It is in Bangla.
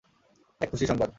এক খুশির সংবাদ।